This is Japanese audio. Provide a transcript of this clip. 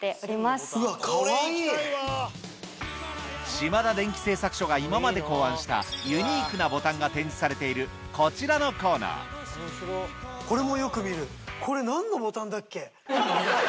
島田電機製作所が今まで考案したユニークなボタンが展示されているこちらのコーナーさらに